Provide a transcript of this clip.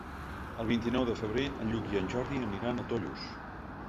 El vint-i-nou de febrer en Lluc i en Jordi aniran a Tollos.